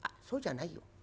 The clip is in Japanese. そうじゃないよ。